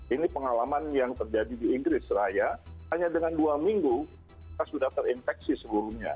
ini pengalaman yang terjadi di inggris raya hanya dengan dua minggu kita sudah terinfeksi seluruhnya